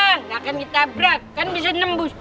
nggak akan kita brak kan bisa nembus